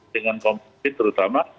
dengan kompetit terutama